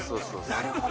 なるほど。